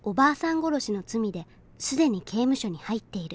殺しの罪で既に刑務所に入っている。